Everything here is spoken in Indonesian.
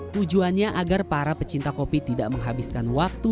tujuannya agar para pecinta kopi tidak menghabiskan waktu